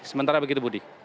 sementara begitu budi